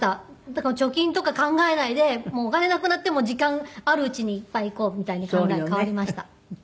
だから貯金とか考えないでお金なくなっても時間あるうちにいっぱい行こうみたいに考えは変わりました。